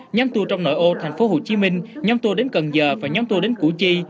nhóm tour trong nội ô tp hcm nhóm tour đến cần giờ và nhóm tour đến củ chi